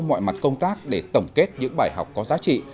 mọi mặt công tác để tổng kết những bài học có giá trị